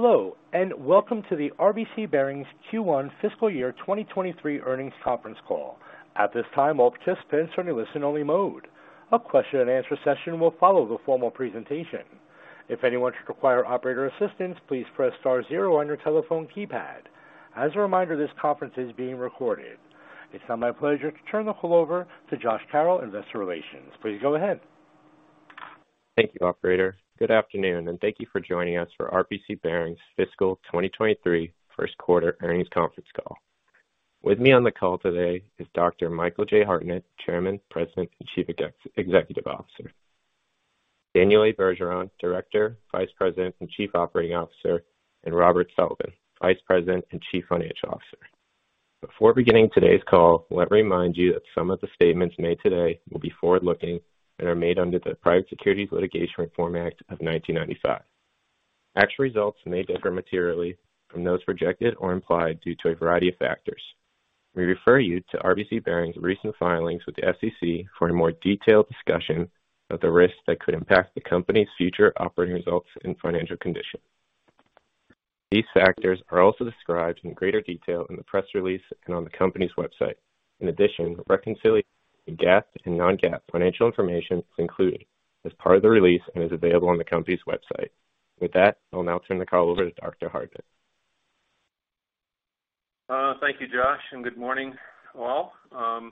Hello, and welcome to the RBC Bearings Q1 Fiscal Year 2023 earnings conference call. At this time, all participants are in listen only mode. A question and answer session will follow the formal presentation. If anyone should require operator assistance, please press star zero on your telephone keypad. As a reminder, this conference is being recorded. It's now my pleasure to turn the call over to Josh Carroll, Investor Relations. Please go ahead. Thank you, operator. Good afternoon, and thank you for joining us for RBC Bearings Fiscal 2023 first quarter earnings conference call. With me on the call today is Dr. Michael J. Hartnett, Chairman, President, and Chief Executive Officer, Daniel A. Bergeron, Director, Vice President, and Chief Operating Officer, and Robert Sullivan, Vice President and Chief Financial Officer. Before beginning today's call, let me remind you that some of the statements made today will be forward-looking and are made under the Private Securities Litigation Reform Act of 1995. Actual results may differ materially from those projected or implied due to a variety of factors. We refer you to RBC Bearings recent filings with the SEC for a more detailed discussion of the risks that could impact the company's future operating results and financial condition. These factors are also described in greater detail in the press release and on the company's website. In addition, reconciliation of GAAP and non-GAAP financial information is included as part of the release and is available on the company's website. With that, I'll now turn the call over to Dr. Hartnett. Thank you, Josh, and good morning, all. I'll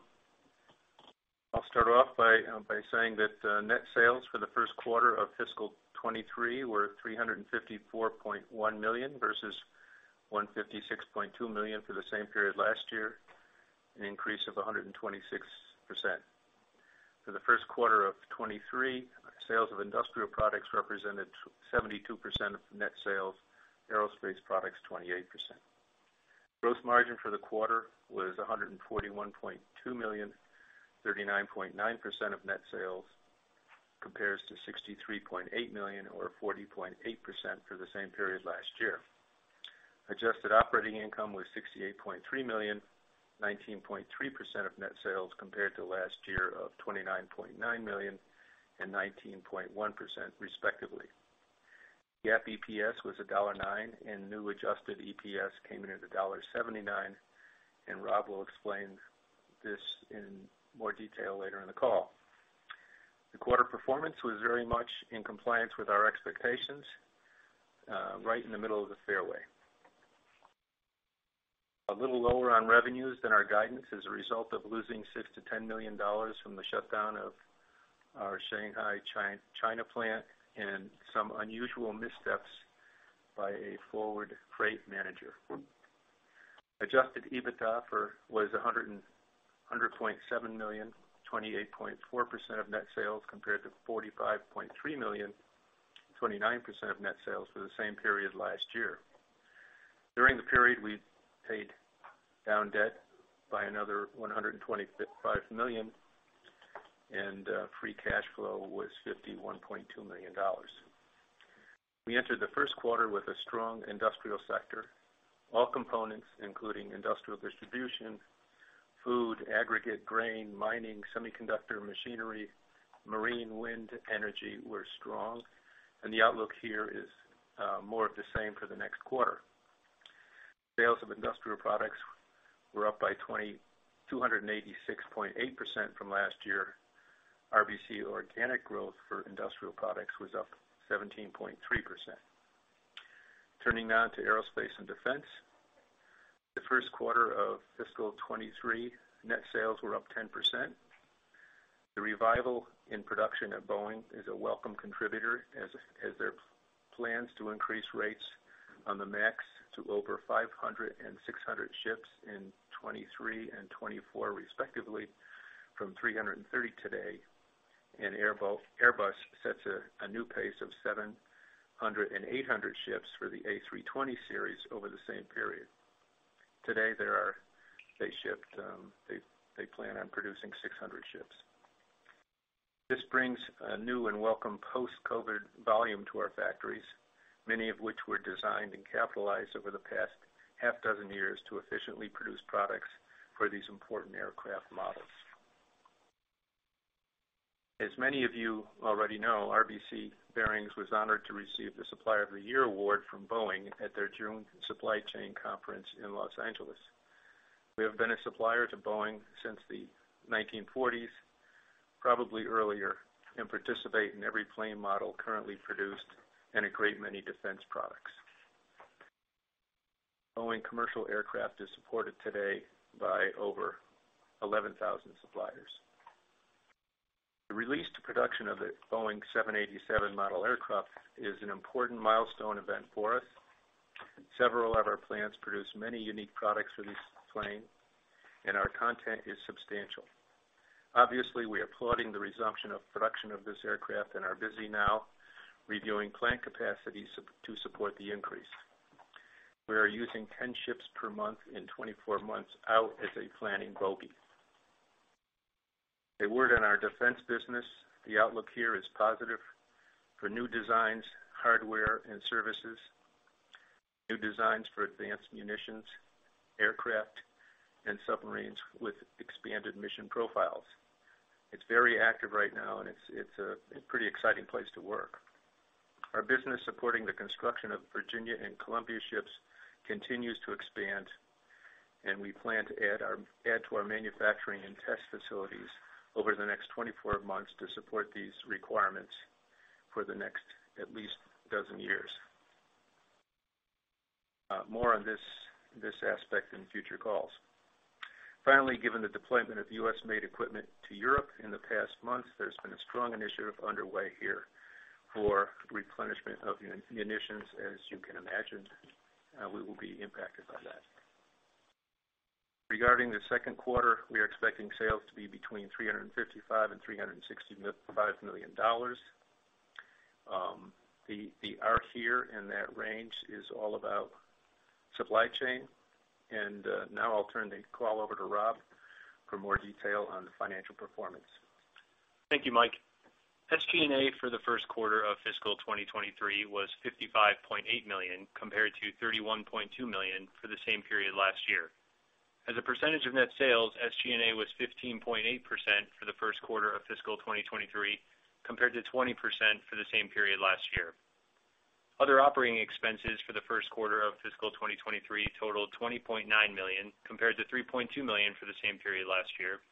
start off by saying that net sales for the first quarter of fiscal 2023 were $354.1 million versus $156.2 million for the same period last year, an increase of 126%. For the first quarter of 2023, sales of industrial products represented 72% of net sales, aerospace products, 28%. Gross margin for the quarter was $141.2 million, 39.9% of net sales compares to $63.8 million or 40.8% for the same period last year. Adjusted operating income was $68.3 million, 19.3% of net sales compared to last year of $29.9 million and 19.1% respectively. GAAP EPS was $1.09 and our adjusted EPS came in at $1.79, and Rob will explain this in more detail later in the call. The quarter performance was very much in compliance with our expectations, right in the middle of the fairway. A little lower on revenues than our guidance as a result of losing $6 million-$10 million from the shutdown of our Shanghai, China plant and some unusual missteps by a forward freight manager. Adjusted EBITDA was $100.7 million, 28.4% of net sales compared to $45.3 million, 29% of net sales for the same period last year. During the period, we paid down debt by another $125 million, and free cash flow was $51.2 million. We entered the first quarter with a strong industrial sector. All components, including industrial distribution, food, aggregate, grain, mining, semiconductor machinery, marine wind energy were strong. The outlook here is more of the same for the next quarter. Sales of industrial products were up by 286.8% from last year. RBC organic growth for industrial products was up 17.3%. Turning now to aerospace and defense. The first quarter of fiscal 2023, net sales were up 10%. The revival in production at Boeing is a welcome contributor as their plans to increase rates on the Max to over 500 and 600 ships in 2023 and 2024 respectively from 330 today. Airbus sets a new pace of 700 and 800 ships for the A320 series over the same period. Today, they plan on producing 600 ships. This brings a new and welcome post-COVID volume to our factories, many of which were designed and capitalized over the past six years to efficiently produce products for these important aircraft models. As many of you already know, RBC Bearings was honored to receive the Supplier of the Year award from Boeing at their June supply chain conference in Los Angeles. We have been a supplier to Boeing since the 1940s, probably earlier, and participate in every plane model currently produced and a great many defense products. Boeing commercial aircraft is supported today by over 11,000 suppliers. The release to production of the Boeing 787 model aircraft is an important milestone event for us. Several of our plants produce many unique products for this plane, and our content is substantial. Obviously, we are applauding the resumption of production of this aircraft and are busy now reviewing plant capacity to support the increase. We are using 10 ships per month in 24 months out as a planning bogey. A word on our defense business. The outlook here is positive for new designs, hardware and services, new designs for advanced munitions, aircraft and submarines with expanded mission profiles. It's very active right now, and it's a pretty exciting place to work. Our business supporting the construction of Virginia-class and Columbia-class ships continues to expand, and we plan to add to our manufacturing and test facilities over the next 24 months to support these requirements for the next at least 12 years. More on this aspect in future calls. Finally, given the deployment of U.S.-made equipment to Europe in the past months, there's been a strong initiative underway here for replenishment of munitions. As you can imagine, we will be impacted by that. Regarding the second quarter, we are expecting sales to be between $355 million and $365 million. The arc here in that range is all about supply chain. Now I'll turn the call over to Rob for more detail on the financial performance. Thank you, Mike. SG&A for the first quarter of fiscal 2023 was $55.8 million, compared to $31.2 million for the same period last year. As a percentage of net sales, SG&A was 15.8% for the first quarter of fiscal 2023, compared to 20% for the same period last year. Other operating expenses for the first quarter of fiscal 2023 totaled $20.9 million, compared to $3.2 million for the same period last year.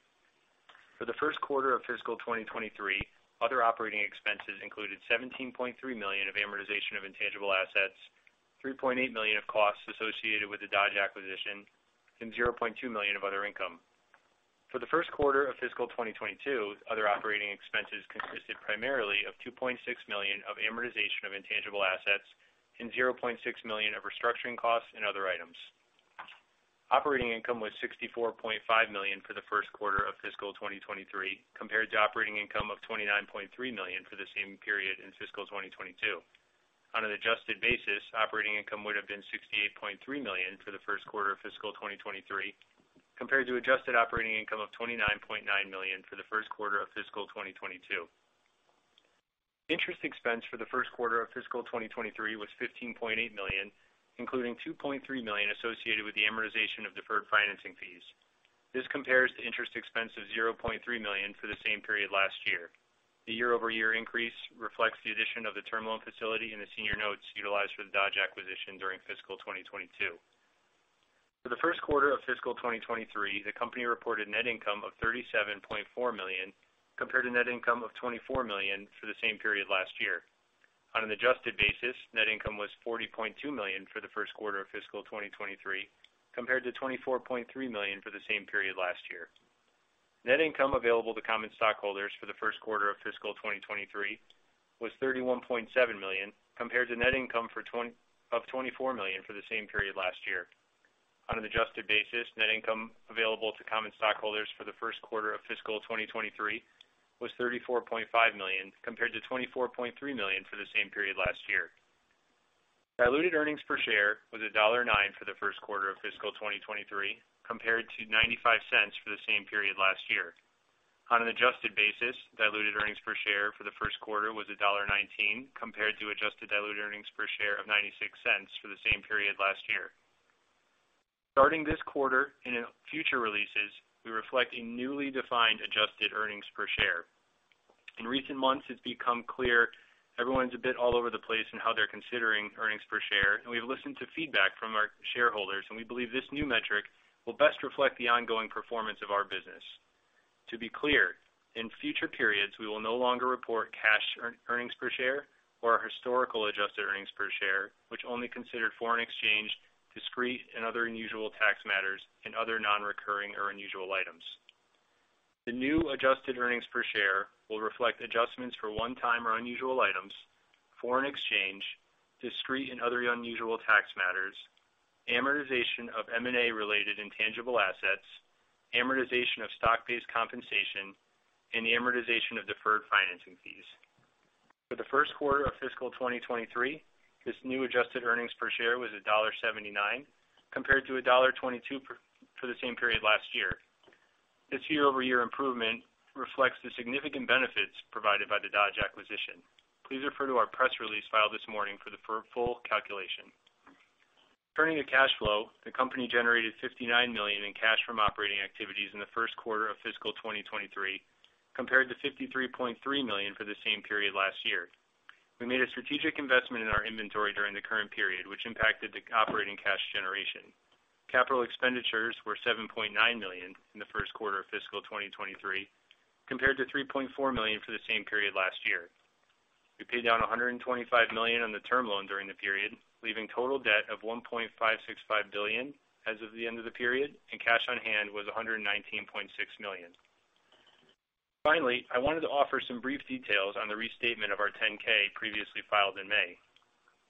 For the first quarter of fiscal 2023, other operating expenses included $17.3 million of amortization of intangible assets, $3.8 million of costs associated with the Dodge acquisition, and $0.2 million of other income. For the first quarter of fiscal 2022, other operating expenses consisted primarily of $2.6 million of amortization of intangible assets and $0.6 million of restructuring costs and other items. Operating income was $64.5 million for the first quarter of fiscal 2023, compared to operating income of $29.3 million for the same period in fiscal 2022. On an adjusted basis, operating income would have been $68.3 million for the first quarter of fiscal 2023, compared to adjusted operating income of $29.9 million for the first quarter of fiscal 2022. Interest expense for the first quarter of fiscal 2023 was $15.8 million, including $2.3 million associated with the amortization of deferred financing fees. This compares to interest expense of $0.3 million for the same period last year. The year-over-year increase reflects the addition of the term loan facility and the senior notes utilized for the Dodge acquisition during fiscal 2022. For the first quarter of fiscal 2023, the company reported net income of $37.4 million, compared to net income of $24 million for the same period last year. On an adjusted basis, net income was $40.2 million for the first quarter of fiscal 2023, compared to $24.3 million for the same period last year. Net income available to common stockholders for the first quarter of fiscal 2023 was $31.7 million, compared to net income of $24 million for the same period last year. On an adjusted basis, net income available to common stockholders for the first quarter of fiscal 2023 was $34.5 million, compared to $24.3 million for the same period last year. Diluted earnings per share was $0.09 for the first quarter of fiscal 2023, compared to $0.95 for the same period last year. On an adjusted basis, diluted earnings per share for the first quarter was $1.19, compared to adjusted diluted earnings per share of $0.96 for the same period last year. Starting this quarter and in future releases, we reflect a newly defined adjusted earnings per share. In recent months, it's become clear everyone's a bit all over the place in how they're considering earnings per share. We've listened to feedback from our shareholders, and we believe this new metric will best reflect the ongoing performance of our business. To be clear, in future periods, we will no longer report cash earnings per share or our historical adjusted earnings per share, which only considered foreign exchange, discrete and other unusual tax matters, and other non-recurring or unusual items. The new adjusted earnings per share will reflect adjustments for one-time or unusual items, foreign exchange, discrete and other unusual tax matters, amortization of M&A related intangible assets, amortization of stock-based compensation, and the amortization of deferred financing fees. For the first quarter of fiscal 2023, this new adjusted earnings per share was $1.79, compared to $1.22 for the same period last year. This year-over-year improvement reflects the significant benefits provided by the Dodge acquisition. Please refer to our press release filed this morning for the full calculation. Turning to cash flow, the company generated $59 million in cash from operating activities in the first quarter of fiscal 2023, compared to $53.3 million for the same period last year. We made a strategic investment in our inventory during the current period, which impacted the operating cash generation. Capital expenditures were $7.9 million in the first quarter of fiscal 2023, compared to $3.4 million for the same period last year. We paid down $125 million on the term loan during the period, leaving total debt of $1.565 billion as of the end of the period, and cash on hand was $119.6 million. Finally, I wanted to offer some brief details on the restatement of our 10-K previously filed in May.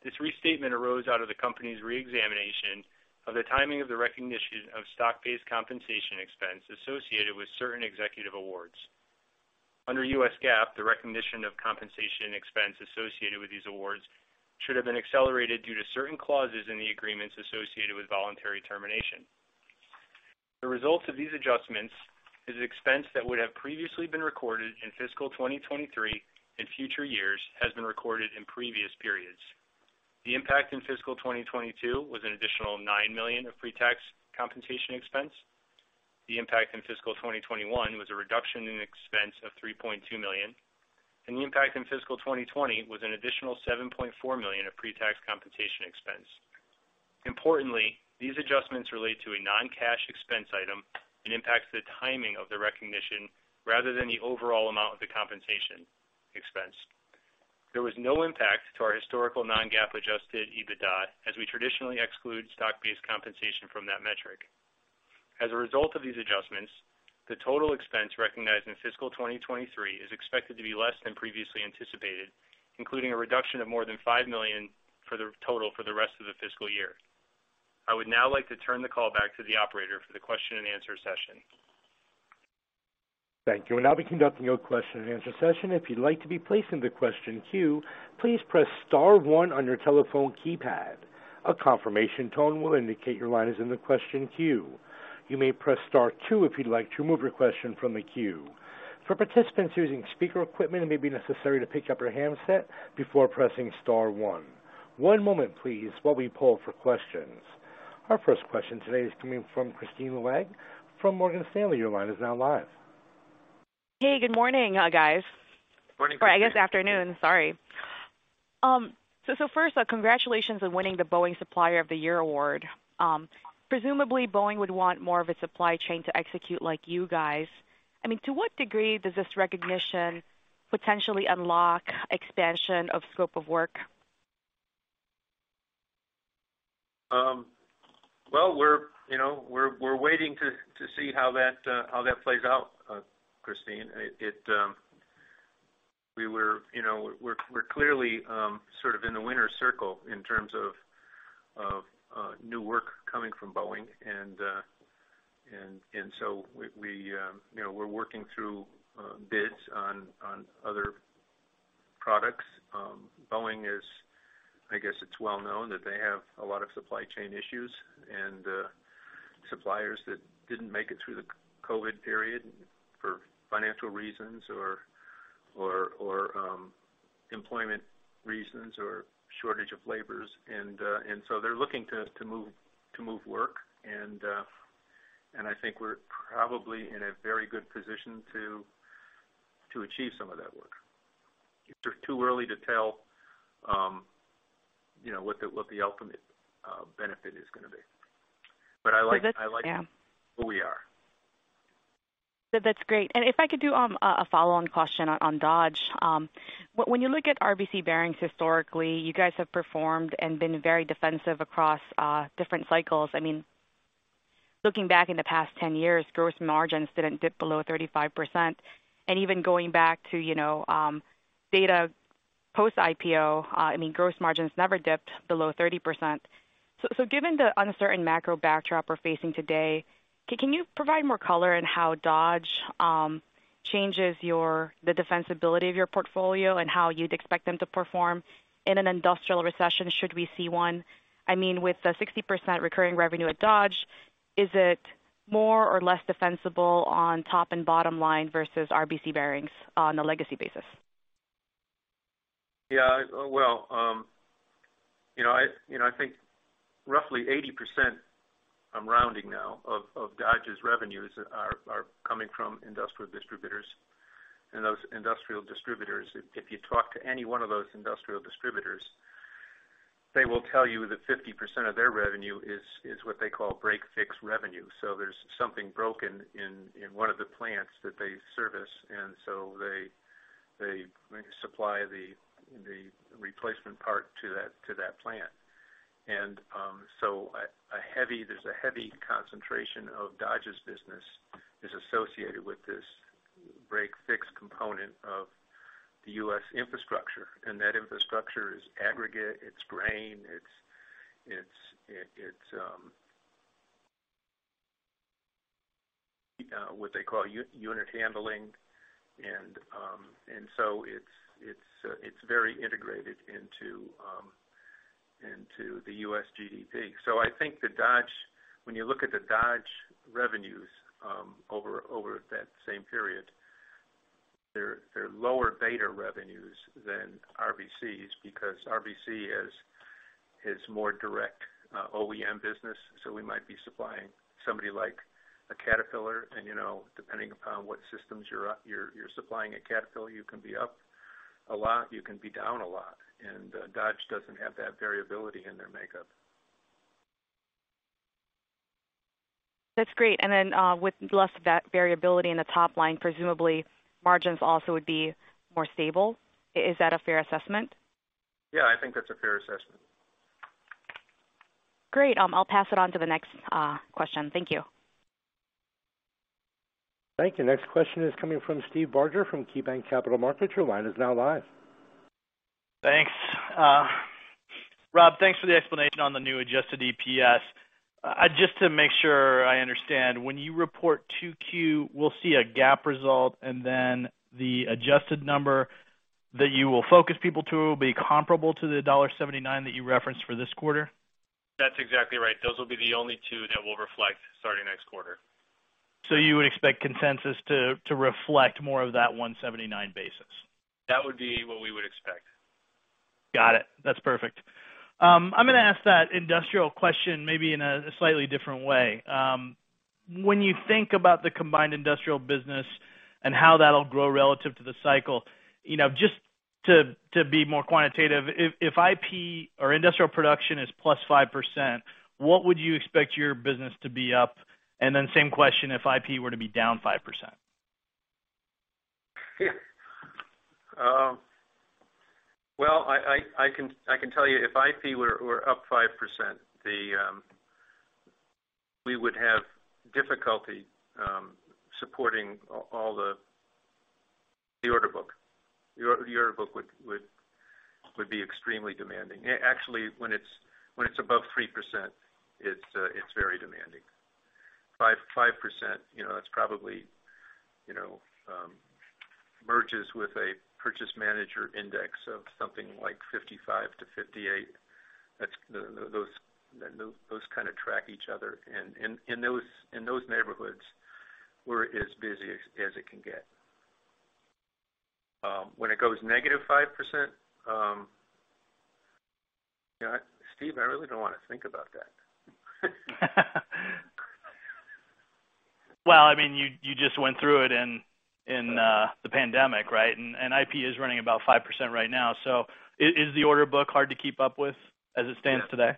This restatement arose out of the company's reexamination of the timing of the recognition of stock-based compensation expense associated with certain executive awards. Under U.S. GAAP, the recognition of compensation expense associated with these awards should have been accelerated due to certain clauses in the agreements associated with voluntary termination. The result of these adjustments is an expense that would have previously been recorded in fiscal 2023 and future years has been recorded in previous periods. The impact in fiscal 2022 was an additional $9 million of pre-tax compensation expense. The impact in fiscal 2021 was a reduction in expense of $3.2 million, and the impact in fiscal 2020 was an additional $7.4 million of pre-tax compensation expense. Importantly, these adjustments relate to a non-cash expense item and impacts the timing of the recognition rather than the overall amount of the compensation expense. There was no impact to our historical non-GAAP adjusted EBITDA as we traditionally exclude stock-based compensation from that metric. As a result of these adjustments, the total expense recognized in fiscal 2023 is expected to be less than previously anticipated, including a reduction of more than $5 million for the total for the rest of the fiscal year. I would now like to turn the call back to the operator for the question-and-answer session. Thank you. We'll now be conducting our question-and-answer session. If you'd like to be placed in the question queue, please press star one on your telephone keypad. A confirmation tone will indicate your line is in the question queue. You may press star two if you'd like to remove your question from the queue. For participants using speaker equipment, it may be necessary to pick up your handset before pressing star one. One moment please, while we poll for questions. Our first question today is coming from Kristine Liwag from Morgan Stanley. Your line is now live. Hey, good morning, guys. Morning. I guess afternoon. Sorry. First, congratulations on winning the Boeing Supplier of the Year award. Presumably Boeing would want more of a supply chain to execute like you guys. I mean, to what degree does this recognition potentially unlock expansion of scope of work? Well, you know, we're waiting to see how that plays out, Kristine. You know, we're clearly sort of in the winner's circle in terms of new work coming from Boeing. So we, you know, we're working through bids on other products. Boeing is, I guess it's well known that they have a lot of supply chain issues and suppliers that didn't make it through the COVID period for financial reasons or employment reasons or shortage of labor. They're looking to move work. I think we're probably in a very good position to achieve some of that work. It's just too early to tell, you know, what the ultimate benefit is gonna be. I like- So that's- I like who we are. That's great. If I could do a follow-on question on Dodge. When you look at RBC Bearings historically, you guys have performed and been very defensive across different cycles. I mean, looking back in the past 10 years, gross margins didn't dip below 35%. Even going back to you know data post-IPO, I mean, gross margins never dipped below 30%. Given the uncertain macro backdrop we're facing today, can you provide more color on how Dodge changes the defensibility of your portfolio and how you'd expect them to perform in an industrial recession should we see one? I mean, with the 60% recurring revenue at Dodge, is it more or less defensible on top and bottom line versus RBC Bearings on a legacy basis? Yeah. Well, you know, I think roughly 80%, I'm rounding now, of Dodge's revenues are coming from industrial distributors. Those industrial distributors, if you talk to any one of those industrial distributors, they will tell you that 50% of their revenue is what they call break-fix revenue. There's something broken in one of the plants that they service, and they supply the replacement part to that plant. There's a heavy concentration of Dodge's business associated with this break-fix component of the U.S. infrastructure. That infrastructure is aggregate, it's grain, it's what they call unit handling. It's very integrated into the U.S. GDP. I think that Dodge... When you look at the Dodge revenues, over that same period, they're lower beta revenues than RBC's because RBC is more direct OEM business, so we might be supplying somebody like a Caterpillar and you know, depending upon what systems you're supplying at Caterpillar, you can be up a lot, you can be down a lot. Dodge doesn't have that variability in their makeup. That's great. With less of that variability in the top line, presumably margins also would be more stable. Is that a fair assessment? Yeah, I think that's a fair assessment. Great. I'll pass it on to the next question. Thank you. Thank you. Next question is coming from Steve Barger from KeyBanc Capital Markets. Your line is now live. Thanks. Rob, thanks for the explanation on the new adjusted EPS. Just to make sure I understand. When you report 2Q, we'll see a GAAP result, and then the adjusted number that you will focus people to will be comparable to the $1.79 that you referenced for this quarter? That's exactly right. Those will be the only two that we'll reflect starting next quarter. You would expect consensus to reflect more of that 179 basis points? That would be what we would expect. Got it. That's perfect. I'm gonna ask that industrial question maybe in a slightly different way. When you think about the combined industrial business and how that'll grow relative to the cycle, you know, just to be more quantitative, if IP or industrial production is plus 5%, what would you expect your business to be up? Then same question if IP were to be down 5%. Yeah. Well, I can tell you if IP were up 5%, we would have difficulty supporting all the order book. The order book would be extremely demanding. Actually, when it's above 3%, it's very demanding. 5%, you know, that's probably mirrors with a Purchasing Managers' Index of something like 55-58. That's the-- those kinda track each other. In those neighborhoods, we're as busy as it can get. When it goes -5%, you know, Steve, I really don't wanna think about that. Well, I mean, you just went through it in the pandemic, right? IP is running about 5% right now. Is the order book hard to keep up with as it stands today?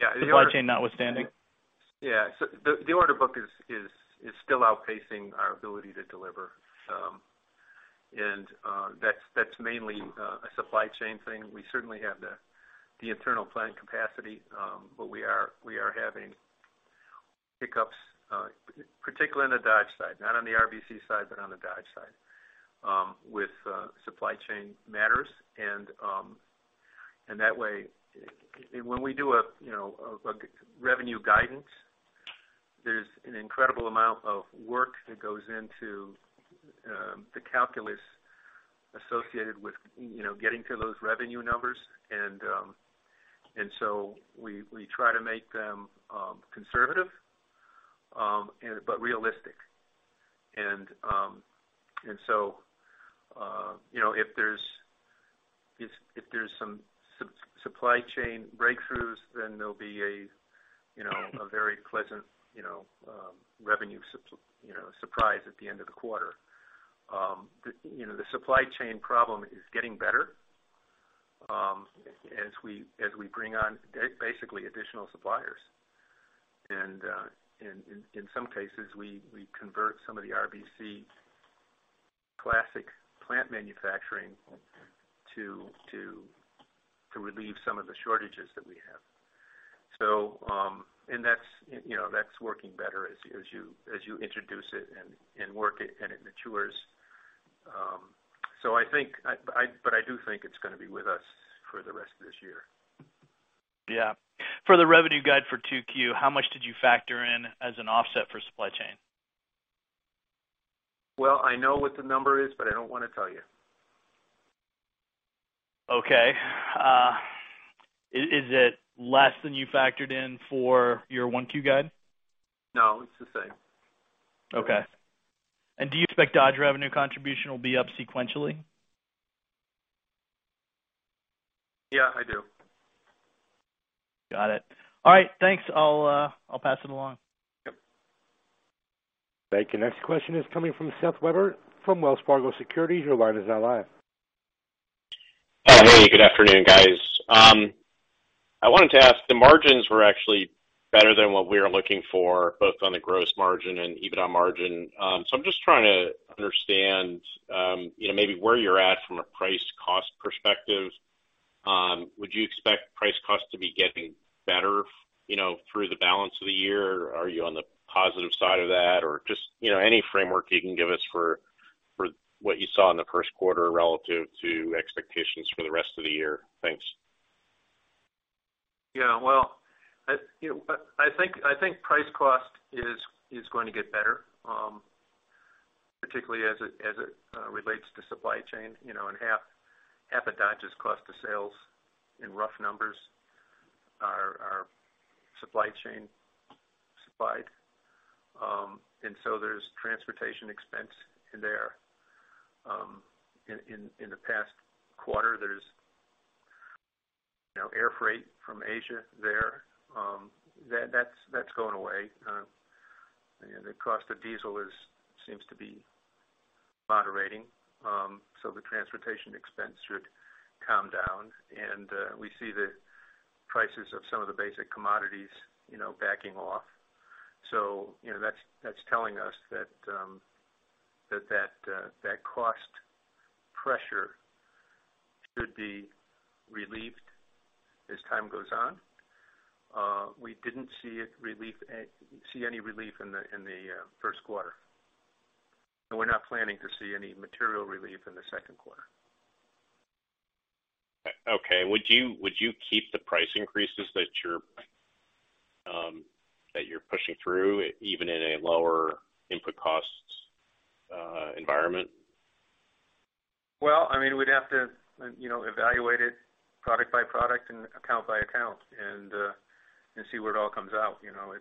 Yeah. The supply chain notwithstanding. The order book is still outpacing our ability to deliver. That's mainly a supply chain thing. We certainly have the internal plant capacity, but we are having hiccups, particularly in the Dodge side, not on the RBC side, but on the Dodge side, with supply chain matters. That way, when we do a, you know, revenue guidance, there's an incredible amount of work that goes into the calculus associated with, you know, getting to those revenue numbers. We try to make them conservative, but realistic. You know, if there's some supply chain breakthroughs, then there'll be a you know, a very pleasant you know, revenue surprise at the end of the quarter. The supply chain problem is getting better as we bring on basically additional suppliers. In some cases, we convert some of the RBC classic plant manufacturing to relieve some of the shortages that we have. That's working better as you introduce it and work it and it matures. I think, but I do think it's gonna be with us for the rest of this year. Yeah. For the revenue guidance for 2Q, how much did you factor in as an offset for supply chain? Well, I know what the number is, but I don't wanna tell you. Okay. Is it less than you factored in for your 1Q guide? No, it's the same. Okay. Do you expect Dodge revenue contribution will be up sequentially? Yeah, I do. Got it. All right. Thanks. I'll pass it along. Yep. Thank you. Next question is coming from Seth Weber from Wells Fargo Securities. Your line is now live. Hey, good afternoon, guys. I wanted to ask, the margins were actually better than what we were looking for, both on the gross margin and EBITDA margin. I'm just trying to understand, you know, maybe where you're at from a price cost perspective. Would you expect price cost to be getting better, you know, through the balance of the year? Are you on the positive side of that? Just, you know, any framework you can give us for what you saw in the first quarter relative to expectations for the rest of the year. Thanks. Yeah. Well, you know, I think price cost is going to get better, particularly as it relates to supply chain. You know, in half of Dodge's cost of sales in rough numbers are supply chain supplied. And so there's transportation expense in there. In the past quarter, there's you know, air freight from Asia there. That's going away. And the cost of diesel seems to be moderating. So the transportation expense should calm down. We see the prices of some of the basic commodities, you know, backing off. So, you know, that's telling us that that cost pressure should be relieved as time goes on. We didn't see any relief in the first quarter. We're not planning to see any material relief in the second quarter. Okay. Would you keep the price increases that you're pushing through even in a lower input costs environment? Well, I mean, we'd have to, you know, evaluate it product by product and account by account and see where it all comes out. You know,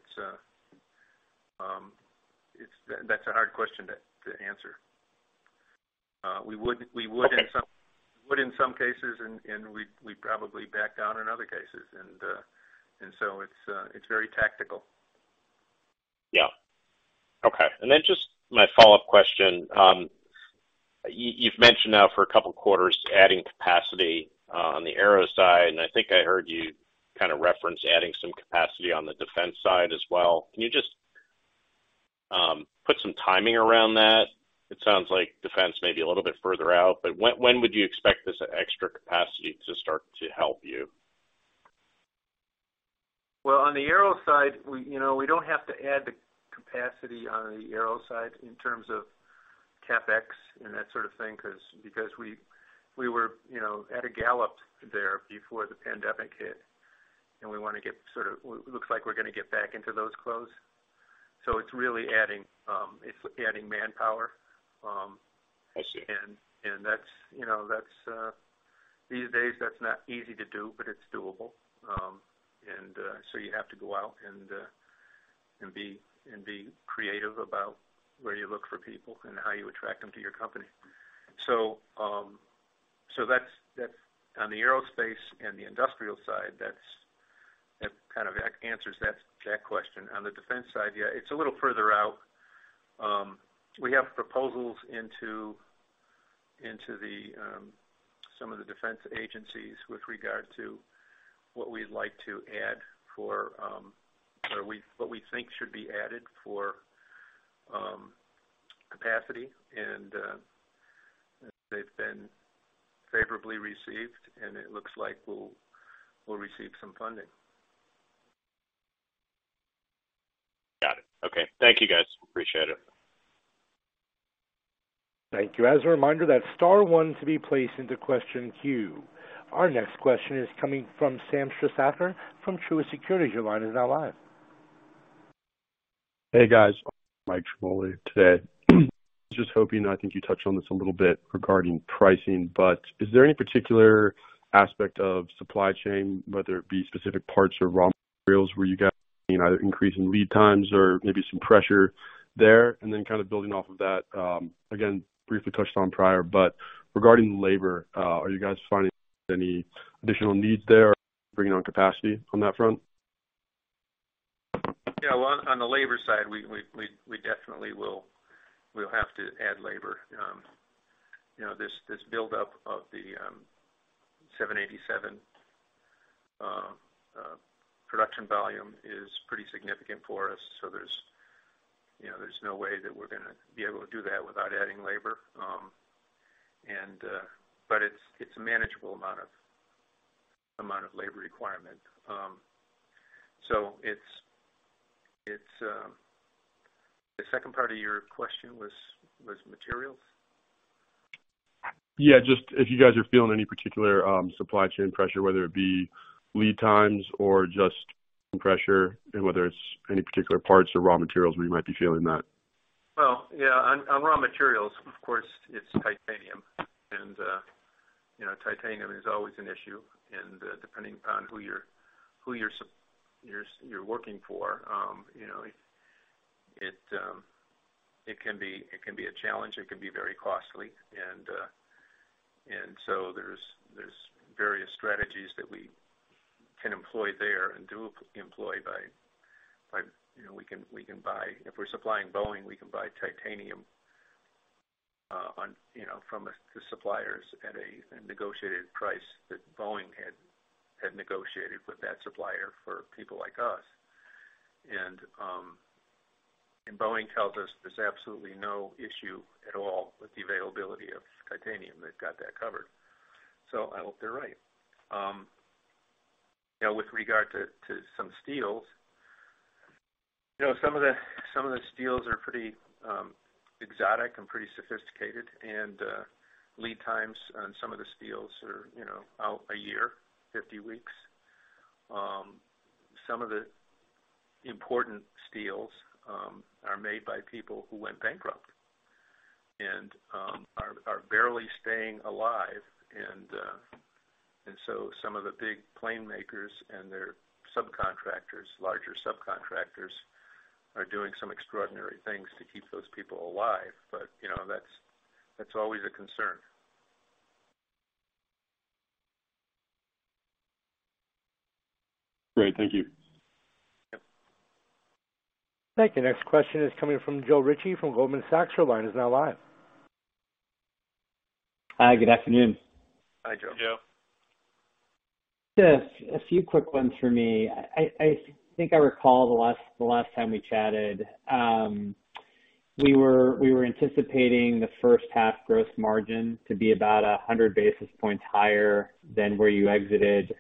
that's a hard question to answer. We would in some- Okay. We would in some cases, and we'd probably back down in other cases. It's very tactical. Yeah. Okay. Just my follow-up question. You've mentioned now for a couple quarters adding capacity on the aero side, and I think I heard you kind of reference adding some capacity on the defense side as well. Can you just put some timing around that? It sounds like defense may be a little bit further out, but when would you expect this extra capacity to start to help you? Well, on the aero side, we don't have to add the capacity on the aero side in terms of CapEx and that sort of thing because we were, you know, at a gallop there before the pandemic hit. It looks like we're gonna get back into those grooves. It's really adding manpower. I see. That's, you know, these days, that's not easy to do, but it's doable. You have to go out and be creative about where you look for people and how you attract them to your company. That's on the aerospace and the industrial side. That kind of answers that question. On the defense side, yeah, it's a little further out. We have proposals into some of the defense agencies with regard to what we think should be added for capacity. They've been favorably received, and it looks like we'll receive some funding. Got it. Okay. Thank you, guys. Appreciate it. Thank you. As a reminder, that's star one to be placed into question queue. Our next question is coming from Sam Shasatha from Truist Securities. Your line is now live. Hey, guys. Michael Ciarmoli today. Just hoping, I think you touched on this a little bit regarding pricing, but is there any particular aspect of supply chain, whether it be specific parts or raw materials, where you guys are seeing either increase in lead times or maybe some pressure there? Then kind of building off of that, again, briefly touched on prior, but regarding labor, are you guys finding any additional needs there, bringing on capacity on that front? Yeah. Well, on the labor side, we definitely will have to add labor. You know, this buildup of the 787 production volume is pretty significant for us. So there's you know no way that we're gonna be able to do that without adding labor. But it's a manageable amount of labor requirement. The second part of your question was materials? Yeah, just if you guys are feeling any particular supply chain pressure, whether it be lead times or just pressure, and whether it's any particular parts or raw materials where you might be feeling that? Yeah, on raw materials, of course, it's titanium. You know, titanium is always an issue. Depending upon who you're working for, you know, it can be a challenge, it can be very costly. There's various strategies that we can employ there and do employ by, you know, we can buy. If we're supplying Boeing, we can buy titanium on, you know, from the suppliers at a negotiated price that Boeing had negotiated with that supplier for people like us. Boeing tells us there's absolutely no issue at all with the availability of titanium. They've got that covered. I hope they're right. You know, with regard to some steels, you know, some of the steels are pretty exotic and pretty sophisticated, and lead times on some of the steels are, you know, out a year, 50 weeks. Some of the important steels are made by people who went bankrupt and are barely staying alive. Some of the big plane makers and their subcontractors, larger subcontractors, are doing some extraordinary things to keep those people alive. You know, that's always a concern. Great. Thank you. Yep. Thank you. Next question is coming from Joe Ritchie from Goldman Sachs. Your line is now live. Hi, good afternoon. Hi, Joe. Just a few quick ones for me. I think I recall the last time we chatted, we were anticipating the first half gross margin to be about 100 basis points higher than where you exited,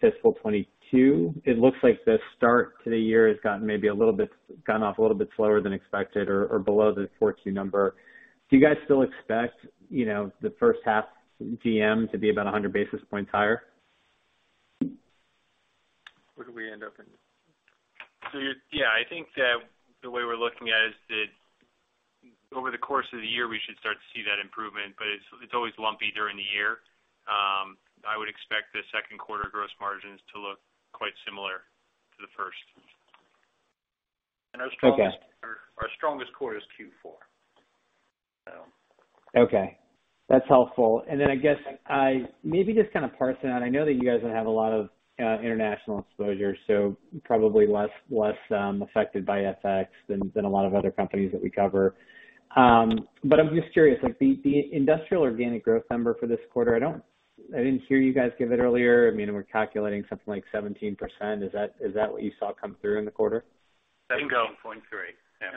fiscal 2022. It looks like the start to the year has gotten maybe a little bit gone off a little bit slower than expected or below the fourth quarter number. Do you guys still expect the first half GM to be about 100 basis points higher? What do we end up in? Yeah, I think that the way we're looking at it is that over the course of the year, we should start to see that improvement, but it's always lumpy during the year. I would expect the second quarter gross margins to look quite similar to the first. Okay. Our strongest quarter is Q4, so. Okay, that's helpful. I guess I maybe just kind of parsing out. I know that you guys don't have a lot of international exposure, so probably less affected by FX than a lot of other companies that we cover. I'm just curious, like the industrial organic growth number for this quarter. I didn't hear you guys give it earlier. I mean, we're calculating something like 17%. Is that what you saw come through in the quarter? 17.3%. There you go. Yeah.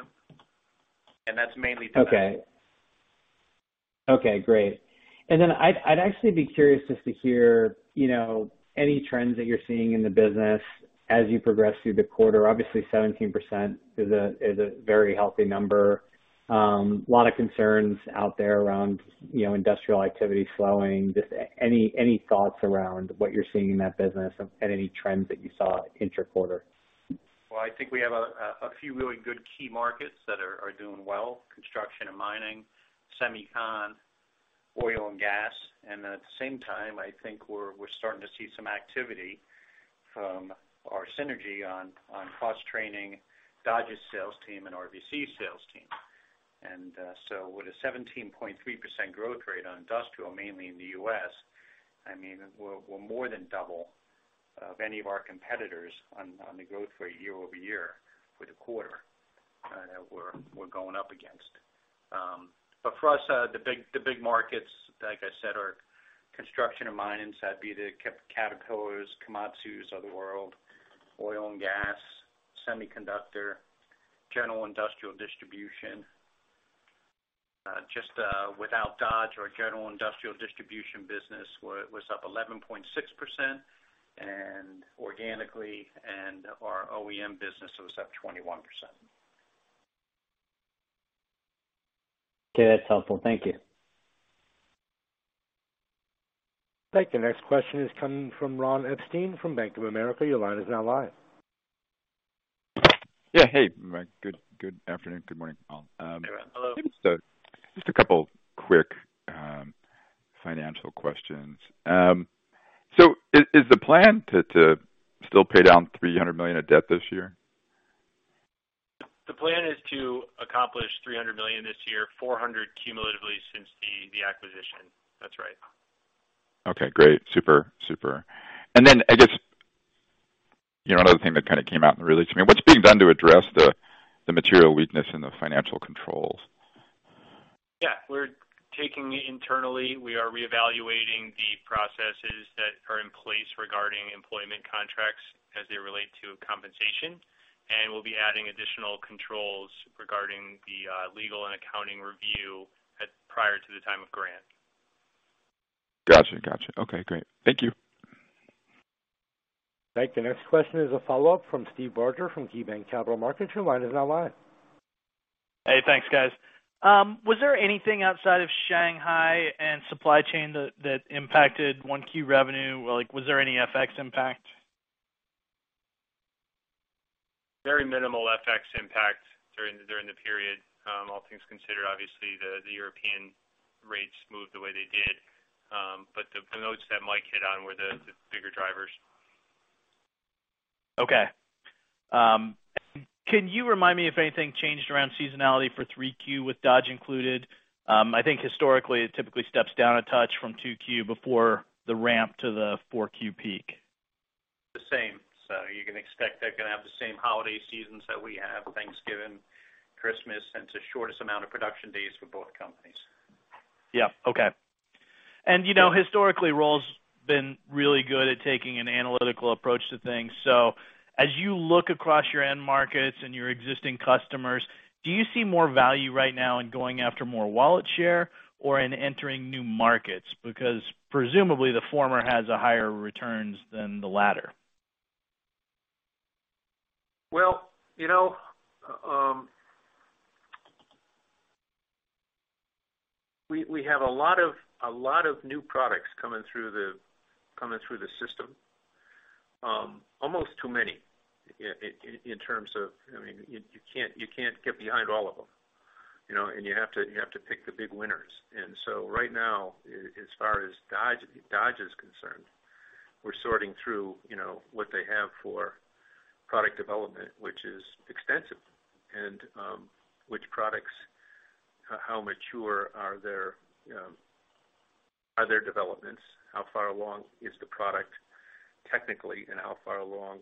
Yep. That's mainly because. Okay, great. I'd actually be curious just to hear, you know, any trends that you're seeing in the business as you progress through the quarter. Obviously, 17% is a very healthy number. A lot of concerns out there around, you know, industrial activity slowing. Just any thoughts around what you're seeing in that business and any trends that you saw inter-quarter? Well, I think we have a few really good key markets that are doing well. Construction and mining, semicon, oil and gas. At the same time, I think we're starting to see some activity from our synergy on cross-training Dodge's sales team and RBC's sales team. With a 17.3% growth rate on industrial, mainly in the U.S., I mean, we're more than double of any of our competitors on the growth rate year-over-year with the quarter we're going up against. For us, the big markets, like I said, are construction and mining, so that'd be the Caterpillar, Komatsu of the world, oil and gas, semiconductor, general industrial distribution. Just without Dodge, our general industrial distribution business was up 11.6% organically, and our OEM business was up 21%. Okay, that's helpful. Thank you. Thank you. Next question is coming from Ronald Epstein from Bank of America. Your line is now live. Yeah. Hey, Mike. Good afternoon. Good morning, all. Hey, Ron. Hello. Just a couple quick financial questions. Is the plan to still pay down $300 million of debt this year? The plan is to accomplish $300 million this year, $400 million cumulatively since the acquisition. That's right. Okay, great. Super, super. I guess, you know, another thing that kinda came out in the release. I mean, what's being done to address the material weakness in the financial controls? Yeah. We're taking it internally. We are reevaluating the processes that are in place regarding employment contracts as they relate to compensation, and we'll be adding additional controls regarding the legal and accounting review and prior to the time of grant. Gotcha. Okay, great. Thank you. Thank you. Next question is a follow-up from Steve Barger from KeyBanc Capital Markets. Your line is now live. Hey, thanks, guys. Was there anything outside of Shanghai and supply chain that impacted 1Q revenue? Like, was there any FX impact? Very minimal FX impact during the period. All things considered, obviously the European rates moved the way they did. The notes that Mike hit on were the bigger drivers. Okay. Can you remind me if anything changed around seasonality for 3Q with Dodge included? I think historically it typically steps down a touch from 2Q before the ramp to the 4Q peak. The same. You can expect they're gonna have the same holiday seasons that we have, Thanksgiving, Christmas, and it's the shortest amount of production days for both companies. Yeah. Okay. You know, historically, Roll's been really good at taking an analytical approach to things. As you look across your end markets and your existing customers, do you see more value right now in going after more wallet share or in entering new markets? Because presumably the former has a higher returns than the latter. Well, you know, we have a lot of new products coming through the system. Almost too many in terms of, I mean, you can't get behind all of them, you know, and you have to pick the big winners. Right now, as far as Dodge is concerned, we're sorting through, you know, what they have for product development, which is extensive, and which products. How mature are their developments? How far along is the product technically, and how far along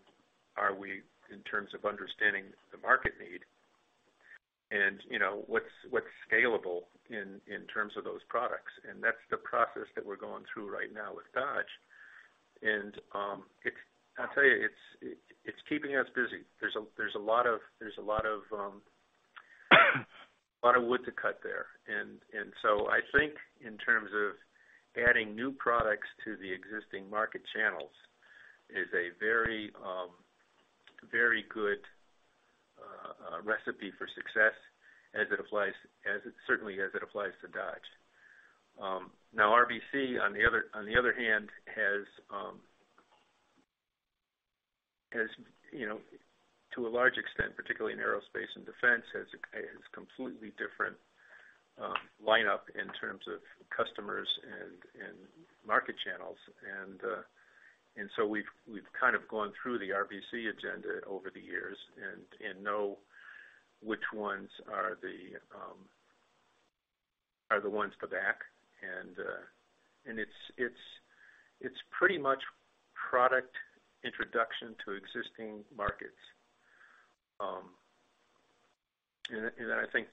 are we in terms of understanding the market need? You know, what's scalable in terms of those products? That's the process that we're going through right now with Dodge. I'll tell you, it's keeping us busy. There's a lot of wood to cut there. I think in terms of adding new products to the existing market channels is a very good A recipe for success as it certainly applies to Dodge. Now RBC on the other hand has, you know, to a large extent, particularly in aerospace and defense, completely different lineup in terms of customers and market channels. So we've kind of gone through the RBC agenda over the years and know which ones are the ones to back. It's pretty much product introduction to existing markets. I think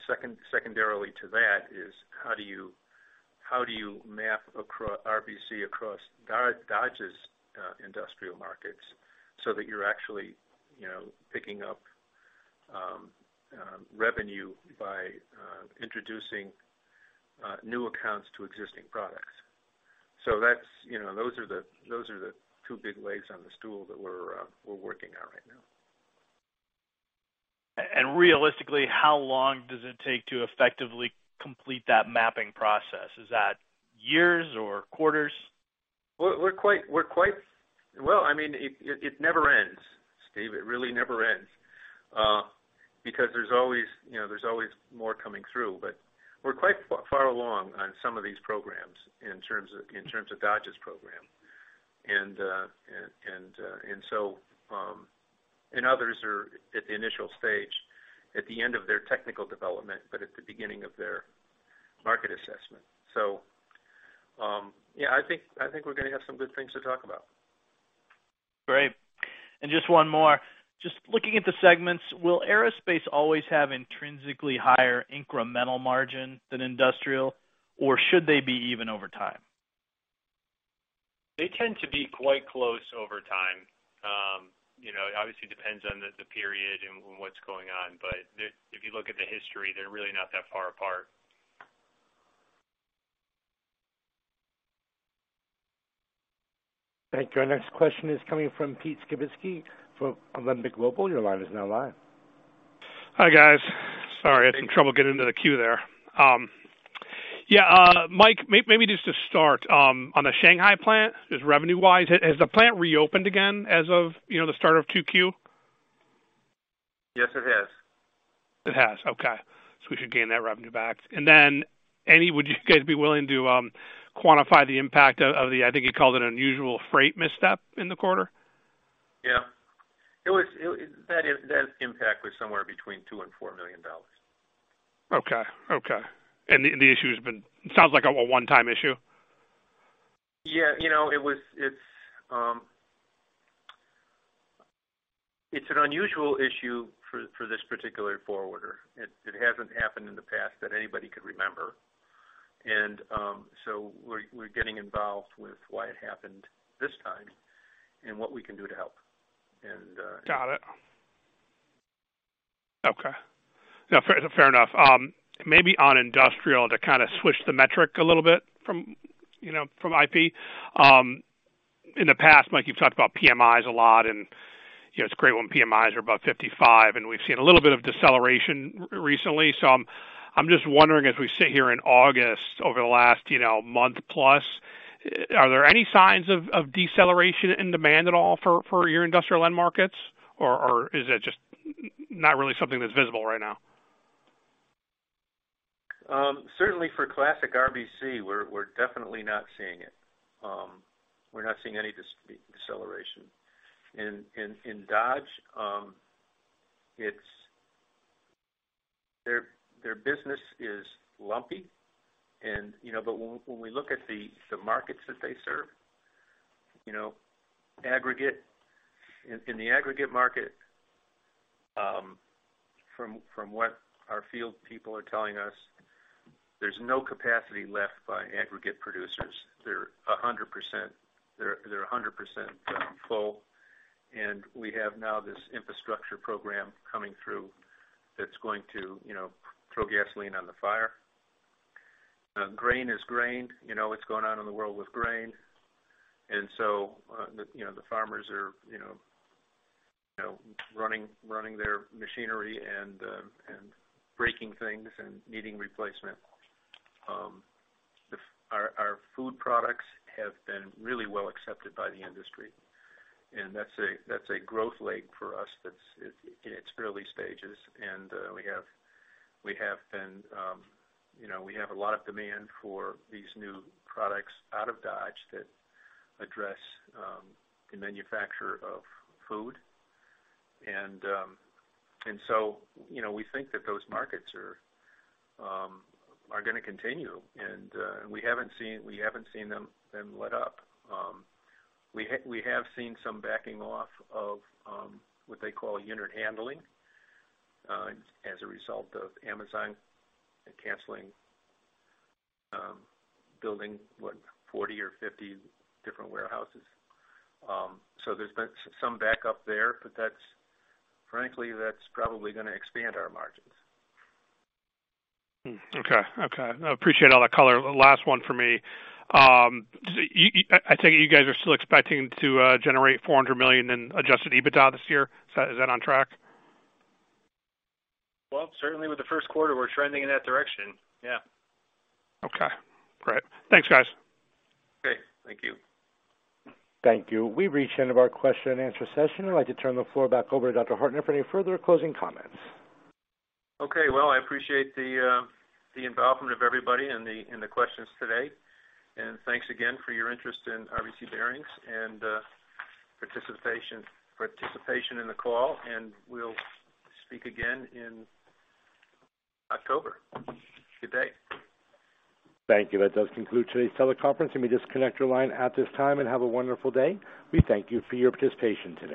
secondarily to that is how do you map RBC across Dodge's industrial markets so that you're actually, you know, picking up revenue by introducing new accounts to existing products. That's, you know, those are the two big legs on the stool that we're working on right now. Realistically, how long does it take to effectively complete that mapping process? Is that years or quarters? We're quite. Well, I mean it never ends, Steve. It really never ends. Because there's always, you know, there's always more coming through. We're quite far along on some of these programs in terms of Dodge's program. Others are at the initial stage at the end of their technical development, but at the beginning of their market assessment. Yeah, I think we're gonna have some good things to talk about. Great. Just one more. Just looking at the segments, will Aerospace always have intrinsically higher incremental margin than Industrial, or should they be even over time? They tend to be quite close over time. You know, it obviously depends on the period and what's going on. If you look at the history, they're really not that far apart. Thank you. Our next question is coming from Pete Skibitski from Alembic Global Advisors. Your line is now live. Hi, guys. Sorry, I had some trouble getting into the queue there. Yeah, Mike, maybe just to start, on the Shanghai plant, just revenue-wise, has the plant reopened again as of, you know, the start of 2Q? Yes, it has. It has. Okay. We should gain that revenue back. Would you guys be willing to quantify the impact of the, I think you called it, unusual freight misstep in the quarter? That impact was somewhere between $2 million and $4 million. Okay. The issue has been. Sounds like a one-time issue. Yeah. You know, it's an unusual issue for this particular forwarder. It hasn't happened in the past that anybody could remember. We're getting involved with why it happened this time and what we can do to help. Got it. Okay. No, fair enough. Maybe on industrial to kind of switch the metric a little bit from, you know, from IP. In the past, Mike, you've talked about PMIs a lot and, you know, it's great when PMIs are above 55, and we've seen a little bit of deceleration recently. I'm just wondering, as we sit here in August, over the last, you know, month plus, are there any signs of deceleration in demand at all for your industrial end markets or is it just not really something that's visible right now? Certainly for classic RBC, we're definitely not seeing it. We're not seeing any deceleration. In Dodge, it's their business is lumpy and, you know, but when we look at the markets that they serve, you know, aggregate, in the aggregate market, from what our field people are telling us, there's no capacity left by aggregate producers. They're 100% full. We have now this infrastructure program coming through that's going to, you know, throw gasoline on the fire. Grain is grain. You know what's going on in the world with grain. The farmers are, you know, running their machinery and breaking things and needing replacement. Our food products have been really well accepted by the industry, and that's a growth leg for us that's in its early stages. We have been, you know, we have a lot of demand for these new products out of Dodge that address the manufacturer of food. You know, we think that those markets are gonna continue. We haven't seen them let up. We have seen some backing off of what they call unit handling as a result of Amazon canceling building what, 40 or 50 different warehouses. There's been some back up there, but that's frankly probably gonna expand our margins. Okay. I appreciate all that color. Last one for me. You guys are still expecting to generate $400 million in adjusted EBITDA this year. Is that on track? Well, certainly with the first quarter, we're trending in that direction. Yeah. Okay. Great. Thanks, guys. Great. Thank you. Thank you. We've reached the end of our question and answer session. I'd like to turn the floor back over to Dr. Hartnett for any further closing comments. Okay. Well, I appreciate the involvement of everybody in the questions today. Thanks again for your interest in RBC Bearings and participation in the call, and we'll speak again in October. Good day. Thank you. That does conclude today's teleconference. You may disconnect your line at this time and have a wonderful day. We thank you for your participation today.